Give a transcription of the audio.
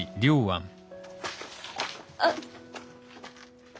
あっ。